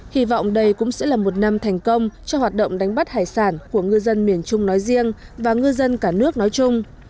hy vọng đây cũng sẽ là một năm thành công cho hoạt động đánh bắt hải sản của ngư dân miền trung nói riêng và ngư dân cả nước nói chung